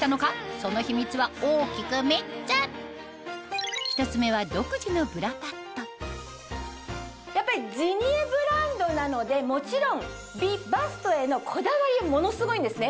その秘密は大きく３つやっぱりジニエブランドなのでもちろん美バストへのこだわりはものすごいんですね。